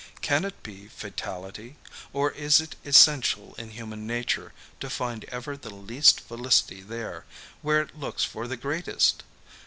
Can it be fatality or is it essential in human nature, to find ever the least felicity there, where it looks for the greatest?